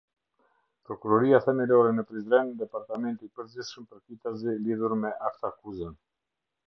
Prokuroria Themelore ne Prizren Departamenti i përgjithshëm përkitazi lidhur me aktakuzën.